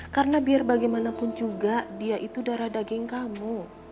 karena biar bagaimanapun juga dia itu darah daging kamu